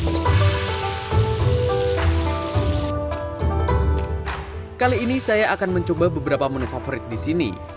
kali ini saya akan mencoba beberapa menu favorit di sini